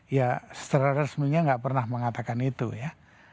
ya secara resminya nggak pernah mengatakan itu ya